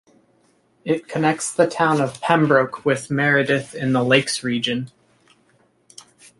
It connects the town of Pembroke with Meredith in the Lakes Region.